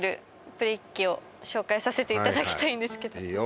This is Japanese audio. プリ機を紹介させていただきたいんですがいいよ